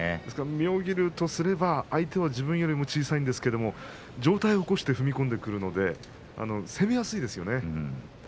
妙義龍とすれば相手は自分より小さいですけれども上体を起こして踏み込んでくるので攻めやすいですよね。